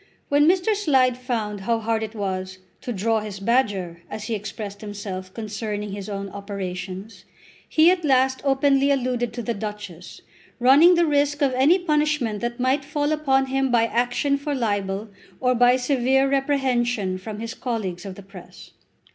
When Mr. Slide found how hard it was "to draw his badger," as he expressed himself concerning his own operations, he at last openly alluded to the Duchess, running the risk of any punishment that might fall upon him by action for libel or by severe reprehension from his colleagues of the Press.